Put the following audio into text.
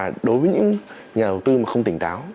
và đối với những nhà đầu tư không tỉnh táo